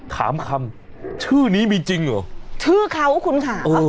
ถามคำชื่อนี้มีจริงเหรอชื่อเขาคุณค่ะ